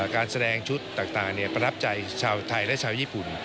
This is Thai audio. การแสดงชุดต่างประทับใจชาวไทยและชาวญี่ปุ่น